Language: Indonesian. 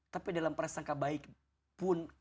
tapi dalam prasangka baik pun